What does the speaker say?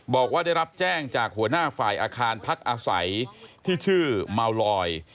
บอกว่าได้รับแจ้งจากหัวหน้าฝ่ายอาคารพักอาศัยที่ชื่อเมาลอย